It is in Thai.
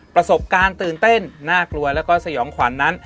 ประสบการณ์ตื่นเต้นน่ากลัวแล้วก็สยองขวัญนั้น